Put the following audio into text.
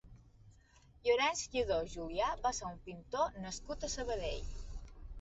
Llorenç Lladó Julià va ser un pintor nascut a Sabadell.